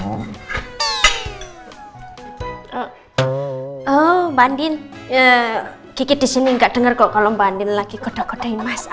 oh bandin kiki di sini gak denger kok kalau bandin lagi kodok kodokin mas